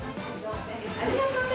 ありがとうね。